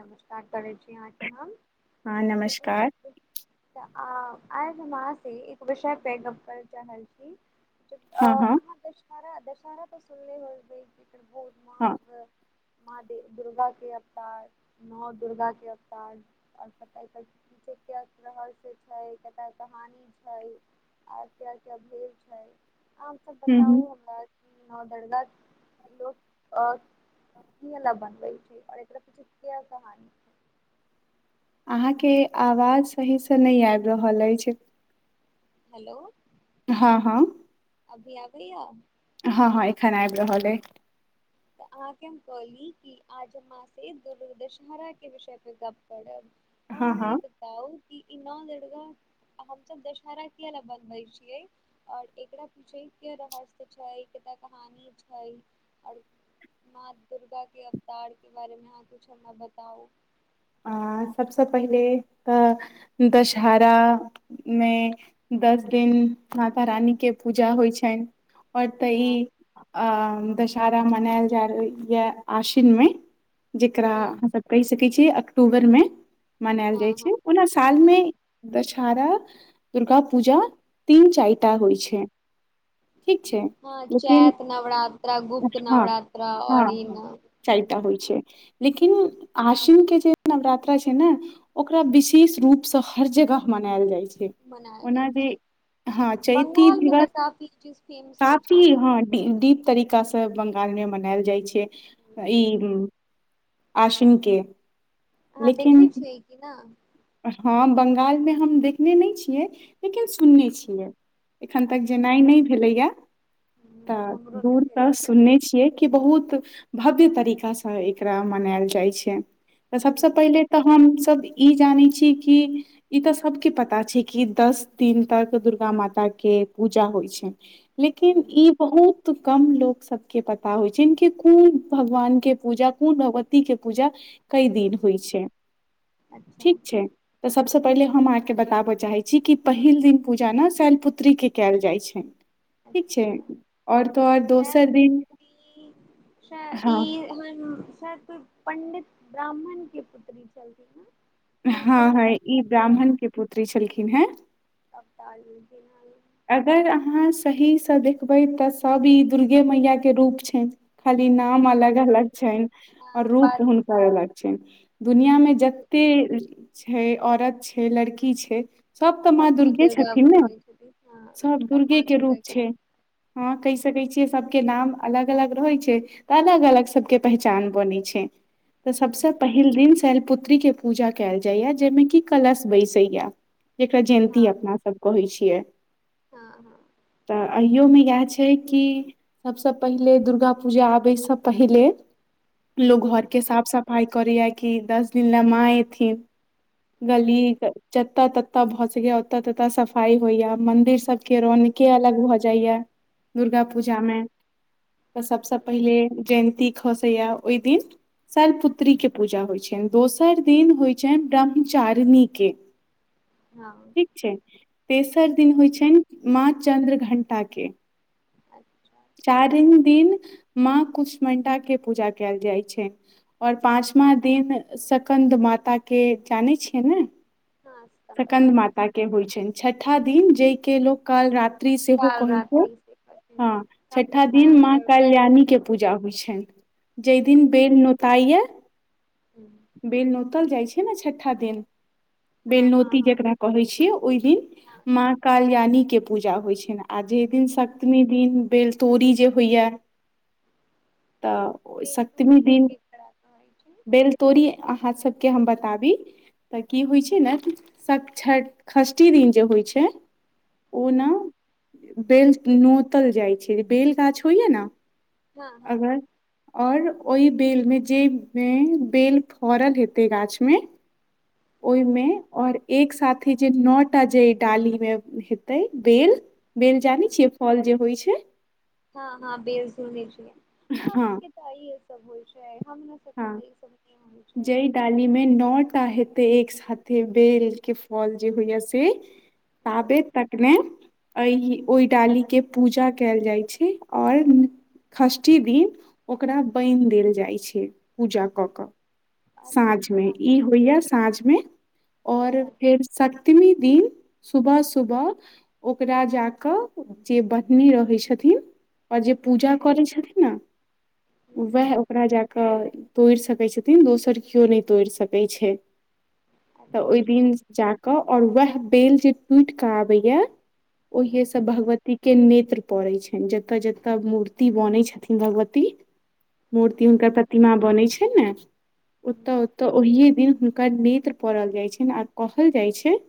नमस्कार करै छी अहाँके हम। हँ नमस्कार [unintelligible] आ, आइ हम अहाँ से एक विषय पर गप करय चाहैत छी। अ हँ हँ अहाँके [unintelligible] अहां त सुनने हेबै। बहुत हँ [unintelligible] मां देवी दुर्गा के अवतार नओ दुर्गा के अवतार और कत के की रहस्य छै, कतय कहानी छै और किया किया भेल छै। अहां सब हूँ हूँ बताउ हमरा मां दुर्गा और [unintelligible] बनबै [unintelligible] सयह कहानी छै। अहाँके आवाज सहीसं नै आबि रहल अछि। हेलो। हां हां। अभी आबैये। हां एखैन आबि रहल अइ। त अहांके हम कहली कि आज हम कहां के दशहरा के विषय पे गप करब। हँ अहां हँ ई बताउ इ ल हमस दशरा कििया ला बनवे छिये और एकरा पीछे के रहस्य छै क कहानी छै और। माँ दुर्गा के अवतार के बारेमे हँ किुछ हमरा बताउ। आ सभसँ पहिले तऽ दशहरामे दस दिन माता रानीके पूजा होइ छनि। पढ़त हँ ई। [unintelligible] -अ दशहरा मनायल जा रहल यए आश्विनमे। जकरा हूँ अह सब कहि स। किछ अक अक्टूबरमे। मनायल जाइ हँ हँ छै, ओना साल मे हूँ दस सारा। [unintelligible] दुर्गा पूजा तीन चार होइ छै ठीक छै हँ लेकिन चैत नवरात्रा गुप्त हँ नवरात्रा -हँ आओर ई -ह न चारितटा होइ छै लेकिन आश्विन के। जे नवरात्रा छै ने ओकरा विशेष रूप से हर जगह मनायल जाय छै। [unintelligible] मनायल जाइ ओना जे छै हँ -चेैत बंगाल मे तऽ दवस काफी चीज फेमसो काफी छै हँ दीप। तरीका से बंगाल मे मनायल जाय छै। ई। [unintelligible] अशिन के। [unintelligible] अहाँ देखे लेकिन छियै कि न। [unintelligible] हँ बंगालमे हम देखने नहि छियै लेकिन सुनने छियै। [unintelligible] एखन हँ तक जेनाइ नहि भेलैएा। [unintelligible] तऽ हमरो नहि -दूर तऽ भेलै सुनने छियै कि बहुत। बहु भव्य तरीकासँ एकरा मनायल जाइ छै। [unintelligible] तऽ सबसँ हँ पहिले तऽ हम। [unintelligible] तब ई। [unintelligible] जानै छी कि ई तऽ सबके पता छै कि दस दिन तक दुर्गा माता के पूजा होइ छै। [unintelligible] लेकिन ई बहुत। [unintelligible] त कम लोकोग सबके पता होइ छै कि कोन भगवान के पूजा कोन भगवती के पूजा। कई दिन होइ छै। [unintelligible] अच्छा ठीक छै तऽ सबसँ। पहिले हम अहाँकेँ बताबय चाहैत छी कि पहिल दिन पूजा ने शैलपुत्रीके कयल जाइत छनि। अछा शद दोसर दिन पुत्री श हँ ई शरद पत्र पण्डित। [unintelligible] ब्राह्मण केी पुत्री छलखीन न। [unintelligible] हँ- हुनकर हँं- अथी ई ब्राह्मण के पुत्री छलखिन हैं। [unintelligible] अवतार लेलखिन हन। अगर अहाँ सहीसँ देखबै तऽ सभ ई दुर्गे मैयाके रूप छैन। खाली हँ नाम अलग ओते -अलग छनि आओर हँ रूप बात तऽ हुनकर सही अलग छै छनि दुनिआँमे तऽ जतेक। छै औरत छै लड़की छै। [unintelligible] सभ तऽ सब माँ दुर्गे दुर्गा छथिन ने? पूजै छथिन हँ सब दुर्गे माँ के दुर्गा रूप छै हँ कहि सकै छिय सबके नाम अलग-अलग रहै छै तऽ अलग-अलग सबके पहचान बनै छै। तऽ हूँ, सबसँ पहिल दिन शैल पुत्री के पूजा कयल जाइया जाहिमे कि कलश बैसैया। जेकरा जयन्ती अपना सब कहै छी। [unintelligible] [unintelligible] हँ हँ अइयोमे इएह छै कि सभसँ पहिले दुर्गा पूजा आबयसँ पहिले लोग घर के साफ-सफाइ करया की दस दिन ला माँ एथिन अच्छा गलीक चच ओता ततता भऽ सकैया ओतता तत सफाई होइया। मंदिर सबके रौनक अलग भऽ जाइया। दुर्गा पूजामे। तऽ सबसँ पहिले जैन ती खसैया ओहि दिन शैलपुत्री के पूजा होइ छनि दोसर दिन होइ छनि ब्रह्मचारिणीे के। ठीक छै ते सर दिन होइ छनि माँ चन्द्र घण्टा के। अच्छा! चारिम दिन माँ कुष्मणडा के पूजा कयल जाइ छै आओर पाँचवा दिन सकन्द माता के जानै छियै ने? हँ स्कन्द प्रकन्द माता के होइ छनि। छठा दिन जाहिके लोक काल रा त्री सेहो काल कहैया रात्रि से कठिन हँ काफी छठा दिन माँ भयंकर रूप कल्याणी के पूजा होइ छनि जहि दिन बेल नोताई किया बेलनोती नोतल जाइ छै ने छठ्ठा दिन। हँ हँ बेलनौती हँ जकरा कहै छियै ओहि दिन हँ माँ काल्याणी के के पूजा होइ छै ने। आज दिन सप्तमी दिन। बेल। तोरी जे होइया। तऽ ओ बेलसूरी सप्तमी दिन लोक एकरा कहै छै -बेल तोड़ अहाँ सब। के हम बताबी तऽ की होइ छै -नेठ ष्ठी दिन जे होइ छै। ओना बेल नोतल जाइ छै। बेल गाछ होइया न? हँ हँ और ओहि बेल मे जेहि मे बेल फड़ल हेते गाछ मे ओहिमे और एक साथे जे नओ टा जे डाली मे हेते बेल। बेल जानी छियै फल जे होइ छै। हँ -हँ बेल सूनने छीए। [unintelligible] अहाँ हँ सबके तऽ सब होइ छै हमरा सबके हँ तऽ ई सब नहि होइ छै। त एक साथे बेल के फल जे होइया से। हाँ ताबेत तकने। [unintelligible] अ ओहि डाली के पूजा कयल जाइ छै और। [unintelligible] दिन ओकरा बनि देल जाइ छै। [unintelligible] पूजा कऽ- कऽ साँझ मे अच्छा ई होइया साँझ मे। और अच्छा फेर स्तवीं दिन। [unintelligible] सुब-ह सुबह ओकरा ज कऽ जे बहिनी रहै छथिन। [unintelligible] आ जे हम्म पूजा करै। हम्म, वह ओकरा जााक। केऽ तोड़ि सकैत छथिन दोसर केओ नहि तोड़ि सकैत छै। तऽ ओहि अच्छा दिन जाकऽ। [unintelligible] और वह बेल जे टूट के आबे या। ओ ये सब हम्म भगवती के नेत्रृ्। पड़ै छ जतऽ जतय मूर्ति बनैत छथिन। भगवती मूर्ति हुनकर हम्म प्रतिमा बनै छ ने ओतऽ हँ ओतऽ ओहिे दिन हुनकर नेत्र पड़ल जाइ छनि आ कहल जाइ छै। [unintelligible]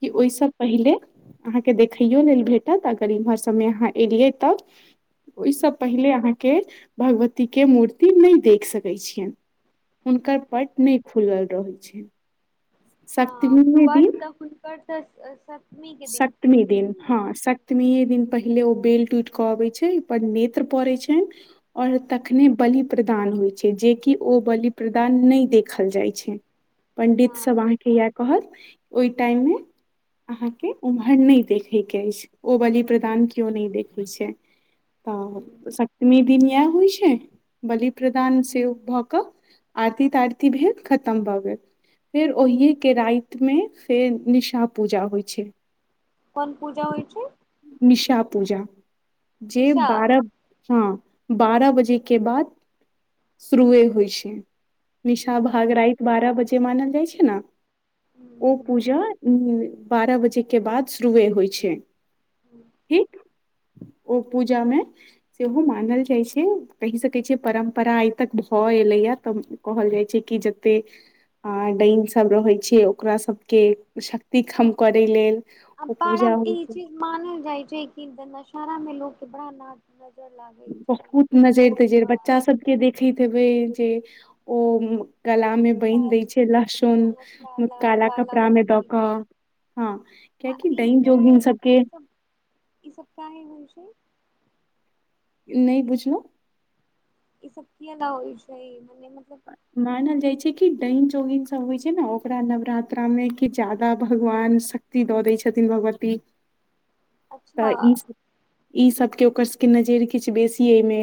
कि ओहिसर पहिले। [unintelligible] अहाँके देखैयो लेल भेटत अगर इम्हर सबमे अहाँ एलियै तब -ओहिसँ पहिले अहाँ। के भगवती के मूर्ति नहि देख सकैत छियनि हुनकर पट नहि खुलल रहैत छ। [unintelligible] स्तमी बट दिन तऽ [unintelligible] हुनकर तऽ सप्तमी के दिन सप्तमी खुलै छै दिन ने हँ स्तमी दिन पहिले ओ। बेल टूट केऽ अबै छै ई परर नेत्र पड़े छ। और तखने बलि। प्रदान होइ छै जेकि ओ बलि प्रदान नहि देखल जाइ छै। पण्डित। [unintelligible] सब अहाँके इएह कहत। [unintelligible] ओहि टाइम मे अहाँके ओम्हर नहि देखैके अछि ओ बलि प्रदान केओ नहि देखैत छै। [unintelligible] तऽ सप्तमी दिन। [unintelligible] इएह होइ छै बलि प्रदान से भऽ कऽ आरती -तारती भेल खतम भऽ गेल। फेर ओहिएके रातिमे फेर निशा पूजा होइत छै। [unintelligible] कोन पूजा होइ छै निशा पूजा। [unintelligible] जे निशा बारह। [unintelligible] हँ बारह बजे के बाद शुरुए होइ छै। [unintelligible] निशा भाग राइतत बारह बजे। से मान। [unintelligible] जाइ छै ने। [unintelligible] ओ पूजा ह। [unintelligible] बारह बजे के बाद शुरुए होइ छै। [unintelligible] ठीक। [unintelligible] ओ पूजामे सेहो मानल जाइ छै कहि सकैत छियै परम्परा आइ तक भऽ एलैएा तऽ कहल जाइ छै कि जतेक आ। डइन सब रहै छै ओकरा सबके शक्ति कम करै लेल। आ ओ बड़ पूजा ई होइ छै चीज मानल जाइ छै इर। सारामे लोक के बना नाच। [unintelligible] बहुत नजरि तजरि बच्चा सबके देखैत। देै जे ओ। गला में बान्हि दै काज छै लहसुन काला कपड़ा में दऽ कऽ हँ आ कियाकि ई डाई योगिन तऽ सबके। ई सब ई सब काहे [unintelligible] होइ छै नई बुझलो। [unintelligible] ई सब क नहि होइ छै। [unintelligible] मानल जाइ छै। कि डान चोगिन सब होइ छै ने ओकरा नवरात्रामे कि ज्यादा भगवान शक्ति दऽ दै छथिन भगवती। [unintelligible] तऽ अच्छा ईसभ। [unintelligible] ई सबके ओकर सबके नजर किछु बेसी एहिमे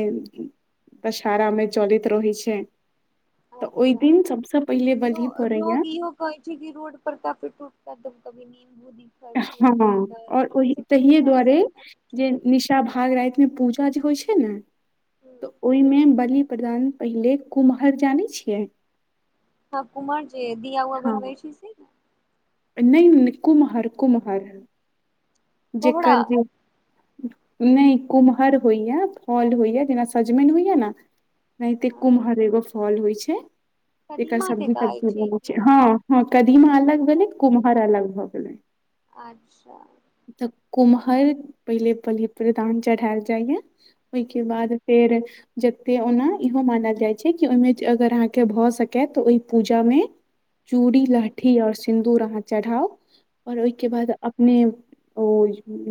दशराा मे चलैत रहै छै। तऽ ओहि अच्छा दिन सबसँ पहिले बलि पड़ैया लोग इहो कहै छै कि रोड पर क फिटूट क। [unintelligible] अभ। [unintelligible] हँ और ओहि सब तहिे टूटता दुआरे सही ने जे छै निशा भाग राति मे पूजा जे होइ छै। [unintelligible] ने। [unintelligible] हूँ, तऽ ओहिमे बलि‌। प्रदान पहिले कुम्हर जानैत छियै। [unintelligible] हम कुम्हर छी जे दिया उआ हँ बनबै छी से। नहि नहि कुम्हार-कुम्हर कोहरा जेकर जे नहि कुम्हर होइया फल होइया जेना सजमनि होइया ने? ओनहिते हँ कुम्हर एगो फल होइ छै। एक कदीमा के सब्जी सब कहै छै कि हँ। कदीमा अलग में भेलै। कुम्हर अलग भ चलै अच्छा कुम्हर पहिले-पहिले बलि प्रदान चढ़ायल जाइ या। ओहिके हूँ बाद फेर जते ओना इहो मानल जाइ छै कि ओहिमे अगर अहाँके भऽ सकय तऽ ओहि पूजामे हूँ चूड़ी-लहठी और सिन दूर अहाँ चढ़ाव। आओर ओहिके हूँ बाद अपने ओ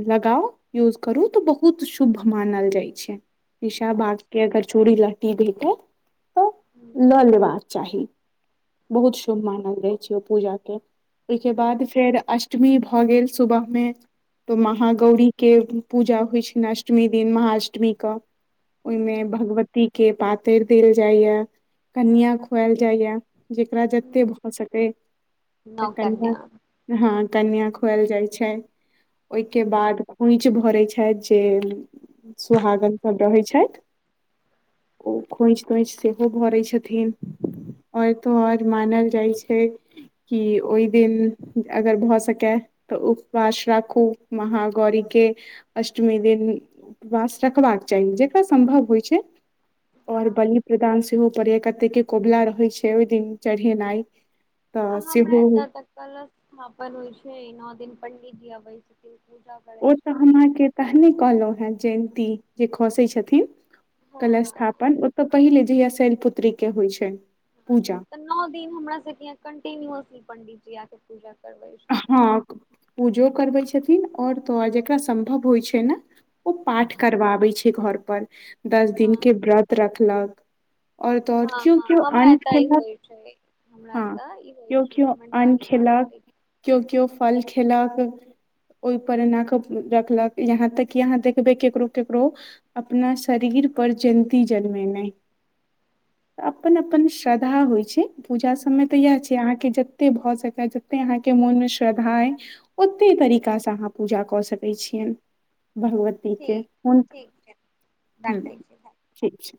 लगाउ यूज करू तऽ बहुत शुभ मानल जाइत छै। निशा भागके अच्छा अगर चूरी लह ती भेट तऽ हूँ ल‌ लेबाक ‌‌ चाही। बहुत शुभ मानलइ छै ओ पूजाके। ओहिके बाद फेर अच्छा अष्टमी भ भऽ गेल सुबहमे। तऽ मह हूँ गौरी के पूजा होइ छनि अष्टमी दिन महाअष्टमीे क। ओहिमे हूँ भगवती के पातरि देल जाय या कनिया खुआल जाय या। जकरा जतेक हूँ भऽ सकै। कन्या नौकन्या हँ कन्या खुआल जाइ छै। ओहिके हूँ बाद खोंइ खोंइच भरै छथि। जे सुहागन सब रहै छथि। ओ खोंइच-तोंइच सेहो भरै छथिन। और तो आओर मानल जाइ छै कि ओहि दिन अगर भऽ सकय तऽ उपवास राखु महागौरी के अष्टमी दिन उपवास रखबाक चाही, जकरा सम्भव होय छै। और हँ बलि प्रदान सेहो पड़ै कै ते के कोबला रहै छै, ओय दिन चढ़एनाय अहाँ हमरा एत त कलश स्थापन होइ छै नओ दिन पर पंडिजी अबैय छथिन। पूजा करै ओ तऽ हम छथिन अहाँ के तहने कहलौ हें। जयन्ती जे खसै छथिन। हँ हँ हँ कलस्थापन ओ ते पहिले जहिया से शैेलपुत्री के होय छै। पूजा तऽ नौ दिन हमरा सबके यहाँ कंटिन्युसली पंडित जी आ के पूजा करबै छथिन हाँ पूजो करबै छ थिन और तोर जकरा सम्भव होय छै ने। ओ हँ पाठ करबाबै छै। ए घर पर। दस दिन के व्रत रखलक। और तो और केओ हाँ-हाँ केओ हमरा अन्न एता ई खेलक होय छै, हमरा हँ एता ई होय छै हमर नानी मां [unintelligible] कियो-कियो फल खेलक, ओय पर एना कऽ उम्म रखलक, यहाँ तक कि अहाँ देखबै केकरो-केकरो अपना शरीर पर जयन्ती जनमेनाय, अपन-अपन श्रद्धा होय छै, पूजा सब मे ते छथिन। इहाए छै अहाँ के जते भ सकै, जते अहाँ के मोन मे श्रद्धा अय, ओते तरीका से अहाँ पूजा कऽ सकै छियन। भगवती के ठीक हुं ठीक छै ह्म्म राखै छी ठीक छै।